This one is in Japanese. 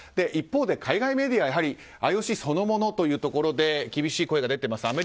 一方で、海外メディアはＩＯＣそのものというところで厳しい声が出ています。